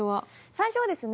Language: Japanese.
最初はですね